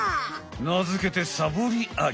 なづけてサボりアリ！